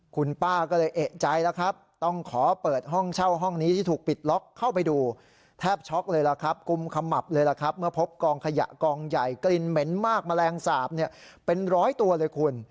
คุณป้าก็เลยเอกใจแล้วครับต้องขอเปิดห้องเช่าห้องนี้ที่ถูกปิดล็อกเข้าไปดูแทบช็อกเลยล่ะครับกุมขมับเลยล่ะครับเมื่อพบกองขยะกองใหญ่กลิ่นเหม็นมากแมลงสาปเป็นร้อยตัวเลยคุณ